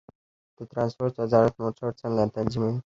د ترانسپورت وزارت موټر څنګه تنظیموي؟